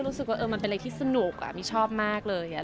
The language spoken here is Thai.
มีอะไรที่สนุกอ่ะมีชอบมากเลยอ่ะ